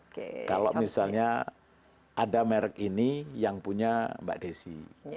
kalau misalnya ada merek ini yang punya mbak desi